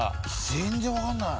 全然分かんない。